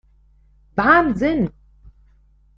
Wahnsinn!